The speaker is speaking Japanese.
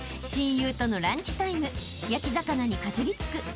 親友とのランチタイム焼き魚にかじりつく